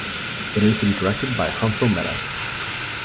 It is to be directed by Hansal Mehta.